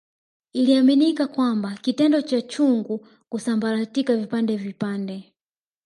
Iliaminika kwamba kitendo cha chungu kusambaratika vipande vipande